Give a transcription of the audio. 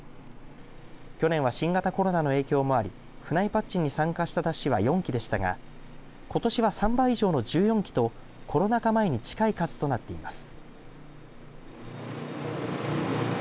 去年は新型コロナの影響もあり府内戦紙に参加した山車は４基でしたがことしは３倍以上の１４基とコロナ禍前に近い数となっています。